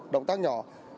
động tác nhỏ